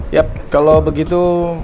ya kalau begitu